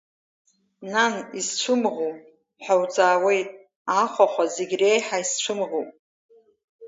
Нан, исцәымӷу ҳәа уҵаауеит, ахәахәа зегь реиҳа исцәымӷуп…